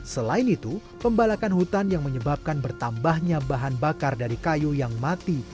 selain itu pembalakan hutan yang menyebabkan bertambahnya bahan bakar dari kayu yang mati